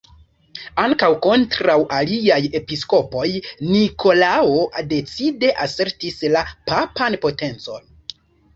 Ankaŭ kontraŭ aliaj episkopoj Nikolao decide asertis la papan potencon.